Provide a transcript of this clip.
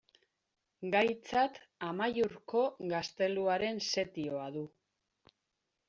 Gaitzat Amaiurko gazteluaren setioa du.